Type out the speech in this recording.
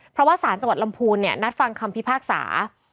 เพราะว่าสารจังหวัดลำพูนนัดฟังคำพิพากษา